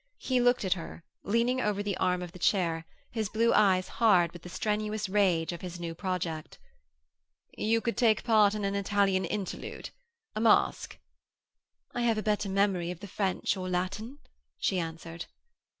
He looked at her, leaning over the arm of the chair, his blue eyes hard with the strenuous rage of his new project. 'You could take a part in an Italian interlude? A masque?' 'I have a better memory of the French or Latin,' she answered.